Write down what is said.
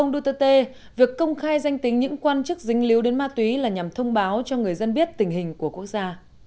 duterte việc công khai danh tính những quan chức dính líu đến ma túy là nhằm thông báo cho người dân biết tình hình của quốc gia